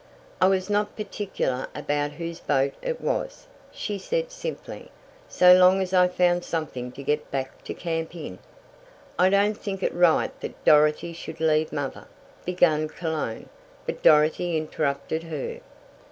"I was not particular about whose boat it was," she said simply. "So long as I found something to get back to camp in." "I don't think it right that Dorothy should leave mother," began Cologne. But Dorothy interrupted her.